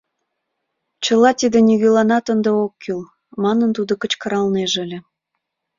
Чыла тиде нигӧланат ынде ок кӱл, манын тудо кычкыралнеже ыле.